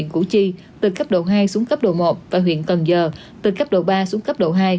củ chi từ cấp độ hai xuống cấp độ một và huyện cần giờ từ cấp độ ba xuống cấp độ hai